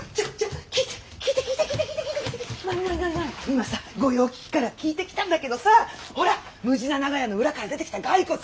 今さ御用聞きから聞いてきたんだけどさほらむじな長屋の裏から出てきた骸骨。